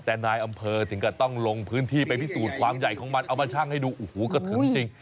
แต่นายอำเภอถึงกับต้องลงพื้นที่ไปพิสูจน์ความใหญ่ของมันเอามาชั่งให้ดูโอ้โหกระถึงจริง